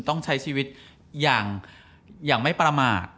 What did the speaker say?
ต้องใช้ชีวิตอย่างไม่ประมาท